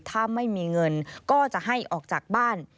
ถ้าไม่มีเงินก็จะให้ออกจากบ้าน